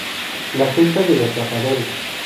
La gesta de los zapadores